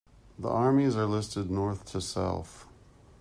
The armies are listed north to south.